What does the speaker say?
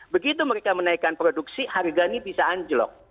begitu mereka menaikkan produksi harga ini bisa anjlok